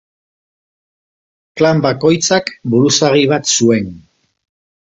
Klan bakoitzak buruzagi bat zuen.